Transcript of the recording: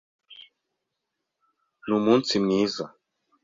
Numunsi mwiza.